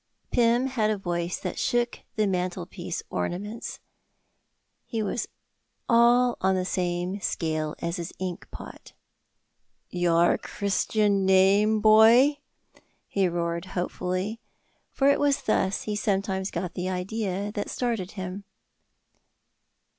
Pym had a voice that shook his mantelpiece ornaments; he was all on the same scale as his ink pot. "Your Christian name, boy?" he roared hopefully, for it was thus he sometimes got the idea that started him.